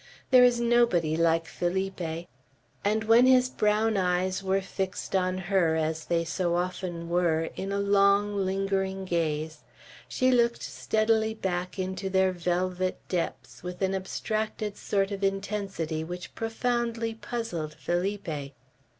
"There is nobody like Felipe." And when his brown eyes were fixed on her, as they so often were, in a long lingering gaze, she looked steadily back into their velvet depths with an abstracted sort of intensity which profoundly puzzled Felipe.